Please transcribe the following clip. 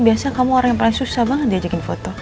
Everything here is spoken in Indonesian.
biasanya kamu orang yang paling susah banget diajakin foto